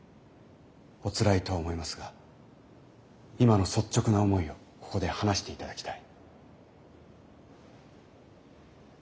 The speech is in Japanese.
おつらいとは思いますが今の率直な思いをここで話していただきたい。